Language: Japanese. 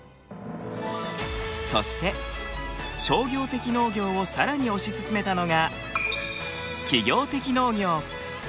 そして商業的農業をさらに推し進めたのが企業的農業。